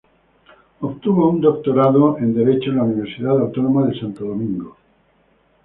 Obtuvo un doctorado en derecho en la Universidad Autónoma de Santo Domingo.